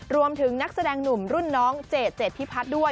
รวมถึงนักแสดงหนุ่มรุ่นน้องเจดเจดพิพัฒน์ด้วย